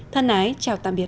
thân ái chào tạm biệt